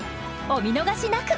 お見逃しなく！